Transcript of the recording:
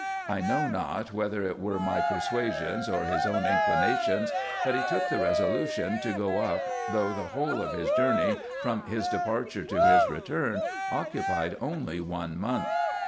I know not whether it were my persuasions, or his own inclinations, but he took the resolution to go up, though the whole of his journey, from his departure to his return, occupied only one month.